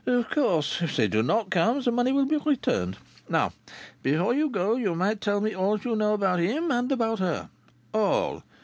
"Of course if they do not come the money will be returned. Now, before you go, you might tell me all you know about him, and about her. All.